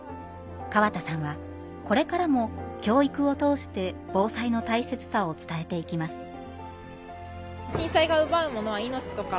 河田さんはこれからも教育を通して防災の大切さを伝えていきます。